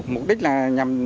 mục đích là nhằm